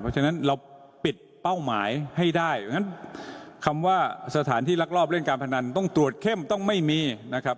เพราะฉะนั้นเราปิดเป้าหมายให้ได้เพราะฉะนั้นคำว่าสถานที่รักรอบเล่นการพนันต้องตรวจเข้มต้องไม่มีนะครับ